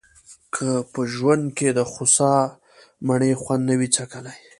که په ژوند کې دخوسا مڼې خوند نه وي څکلی.